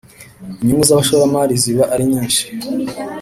Inyungu z ‘abashoramari ziba arinyishi.